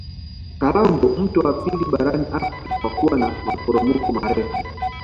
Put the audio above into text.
kalambo mto wa pili barani afrika kwa kuwa na maporomoko marefu